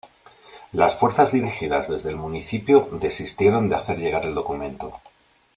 Las fuerzas dirigidas desde el municipio desistieron de hacer llegar el documento.